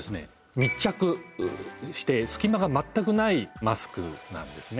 密着して隙間が全くないマスクなんですね。